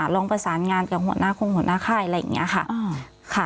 ลองประสานงานกับหัวหน้าคงหัวหน้าค่ายอะไรอย่างนี้ค่ะ